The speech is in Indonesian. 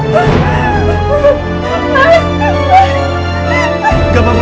kamu gak apa apa